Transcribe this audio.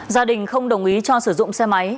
gia đình không đồng ý cho sử dụng xe máy